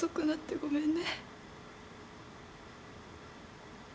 ごめんね。